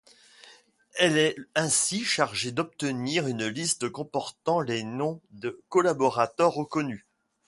Elle est ainsi chargée d’obtenir une liste comportant les noms de collaborateurs reconnus.